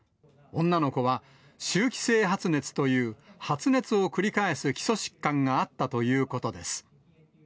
女の子は、周期性発熱という発熱を繰り返す基礎疾患があったということです。